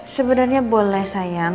sebenarnya boleh sayang